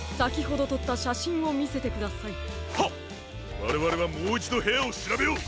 われわれはもういちどへやをしらべよう。